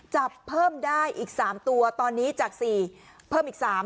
จับเพิ่มได้อีก๓ตัวตอนนี้จาก๔เพิ่มอีก๓